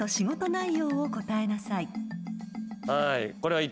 はい。